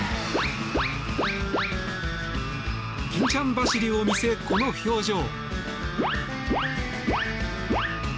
欽ちゃん走りを見せ、この表情。